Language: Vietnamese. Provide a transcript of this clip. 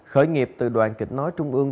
khởi nghiệp từ đoàn kịch nói trung ương